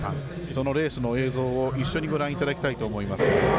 そのレースの映像を一緒のご覧いただきたいと思います。